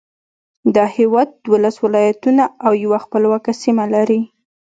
دا هېواد دولس ولایتونه او یوه خپلواکه سیمه لري.